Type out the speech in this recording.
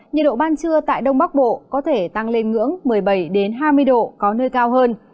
nhiệt độ ban trưa tại đông bắc bộ có thể tăng lên ngưỡng một mươi bảy hai mươi độ có nơi cao hơn